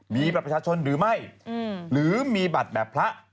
มีบัตรประชาชนหรือไม่หรือมีบัตรแบบพระ